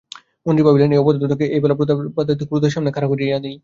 মন্ত্রী ভাবিলেন, এই অপদার্থটাকে এই বেলা প্রতাপাদিত্যের ক্রোধের সামনে খাড়া করিয়া দিই।